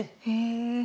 へえ。